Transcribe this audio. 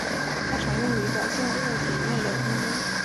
它常用于表现物体内的空间。